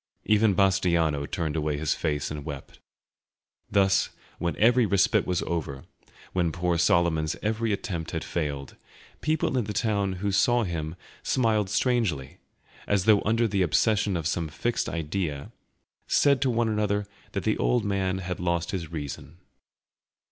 Even Bastiano turned away his face and wept. Thus, when every respite was over, when poor Solomon's every attempt had failed, people in the town who saw him smile strangely, as though under the obsession of some fixed idea, said to one another that the old man had lost his reason.